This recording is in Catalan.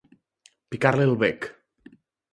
Picar-li el bec.